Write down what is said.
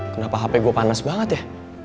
kenapa hp gue panas banget ya